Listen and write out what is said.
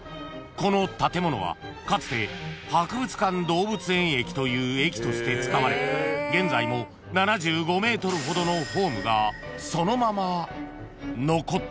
この建物はかつて博物館動物園駅という駅として使われ現在も７５ｍほどのホームがそのまま残っている］